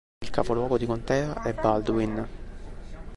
Il capoluogo di contea è Baldwin.